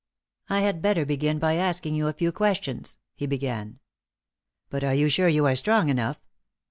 "I had better begin by asking you a few questions," he began. "But are you sure you are strong enough?"